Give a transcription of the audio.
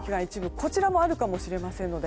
こちらもあるかもしれませんので。